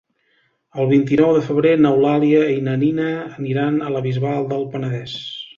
El vint-i-nou de febrer n'Eulàlia i na Nina aniran a la Bisbal del Penedès.